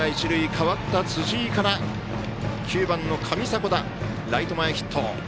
代わった辻井から９番の上迫田、ライト前ヒット。